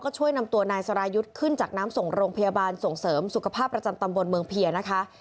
ช่วยนำตัวนายสรายุทธ์ขึ้นจากน้ำส่งโรงพยาบาลส่งเสริมสุขภาพประจำตำบลเมืองเพียนะคะ